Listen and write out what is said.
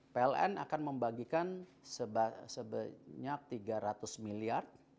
pln akan membagikan sebanyak tiga ratus miliar